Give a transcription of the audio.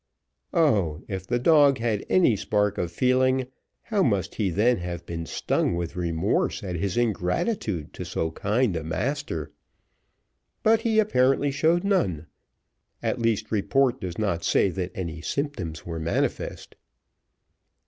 Oh, if the dog had any spark of feeling, how must he then have been stung with remorse at his ingratitude to so kind a master! But he apparently showed none, at least, report does not say that any symptoms were manifest.